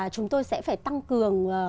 chúng tôi sẽ phải tăng cường